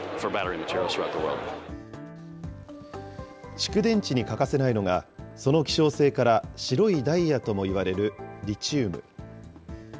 蓄電池に欠かせないのが、その希少性から、白いダイヤともいわれるリチウム。